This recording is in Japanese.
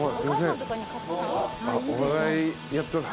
お笑いやってます